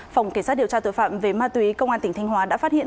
phòng kỳ sát điều tra tội phạm về ma túy công an tỉnh thành hóa đã phát hiện